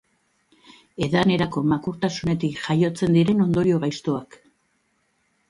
Edanerako makurtasunetik jaiotzen diren ondorio gaiztoak.